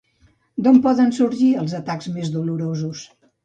D'on poden sorgir els atacs més dolorosos?